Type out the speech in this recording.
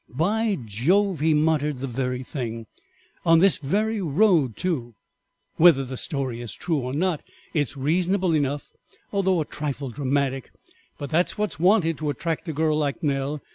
"By Jove," he muttered, "the very thing on this very road too. Whether the story is true or not, it is reasonable enough, although a trifle dramatic, but that is what is wanted to attract a girl like Nell.